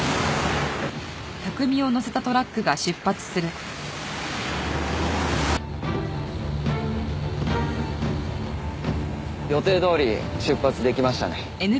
「はい」予定どおり出発できましたね。